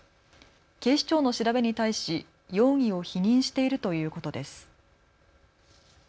警視庁の調べに対し容疑を否認しているということです。